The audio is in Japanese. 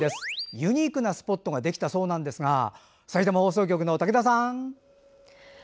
ユニークなスポットができたそうなんですがさいたま放送局の武田さん。